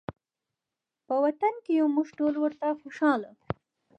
په وطن کې یو مونږ ټول ورته خوشحاله